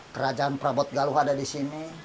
kerajaan prabot galuh ada di sini